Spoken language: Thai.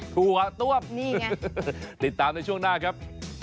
ถั่วต้วมนี่ไงติดตามในช่วงหน้าครับ